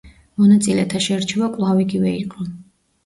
მონაწილეთა შერჩევა კვლავ იგივე იყო.